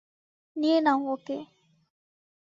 নিয়ে নাও ওকে।